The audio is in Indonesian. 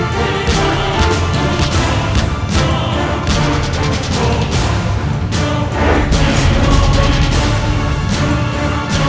kanda tidak bisa menghadapi rai kenterimanik